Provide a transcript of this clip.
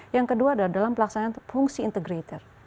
yang kedua adalah dalam pelaksanaan fungsi integrator